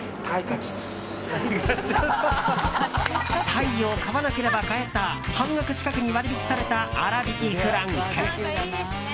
タイを買わなければ買えた半額近くに割引された粗びきフランク。